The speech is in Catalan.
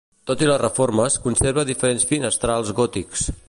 Tot i les reformes, conserva diferents finestrals gòtics.